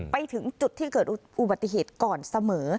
ไปถึงจุดที่เกิดอุบัติเหตุก่อนเสมอ